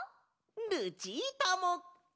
ルチータも！